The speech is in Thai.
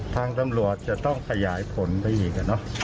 ทางตำรวจจะต้องขยายผลไปอีก